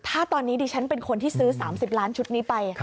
ถ้าตอนนี้ดิฉันเป็นคนที่ซื้อ๓๐ล้านชุดนี้ไป